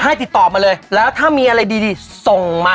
ติดต่อมาเลยแล้วถ้ามีอะไรดีส่งมา